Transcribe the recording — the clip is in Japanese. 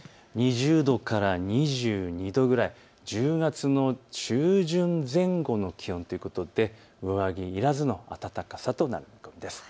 ２０度から２２度ぐらい、１０月の中旬前後の気温ということで上着いらずの暖かさとなる見込みです。